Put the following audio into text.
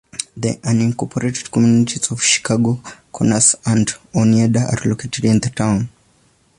The unincorporated communities of Chicago Corners and Oneida are located in the town.